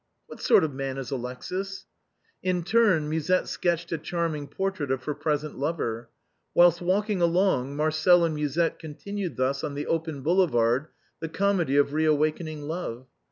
" What sort of a man is Alexis ?" DONEC GRATUS. 193 In turn Musette sketched a charming portrait of her present lover. Whilst walking along Marcel and Musette continued thus on the open Boulevard the comedy of re awakening love.